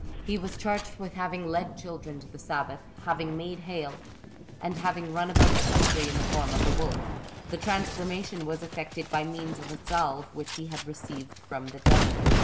He was charged with having led children to the sabbath, having made hail, and having run about the country in the form of a wolf. The transformation was effected by means of a salve which he had received from the devil.